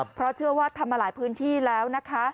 เพราะเชื่อว่าทำมาหลายพื้นที่แล้วนะคะ